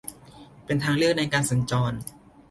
เป็นทางเลือกในการสัญจร